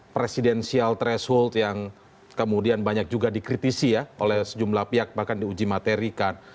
presidensial threshold yang kemudian banyak juga dikritisi ya oleh sejumlah pihak bahkan diuji materikan